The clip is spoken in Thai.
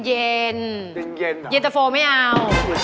เย็นเหรอเย็นเตอร์โฟล์ไม่เอา